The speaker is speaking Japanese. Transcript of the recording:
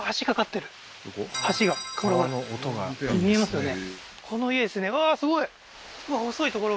橋が見えますよね？